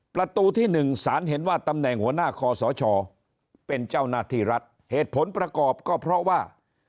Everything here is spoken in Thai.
ประตูที่๑สารเห็นว่าตำแหน่งหัวหน้าคอสชเป็นเจ้าหน้าที่รัฐเหตุผลประกอบก็เพราะว่า